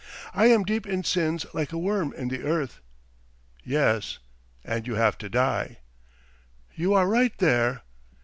I am deep in sins like a worm in the earth." "Yes, and you have to die." "You are right there."